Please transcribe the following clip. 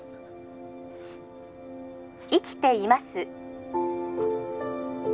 ☎生きています